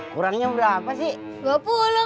kurangnya berapa sih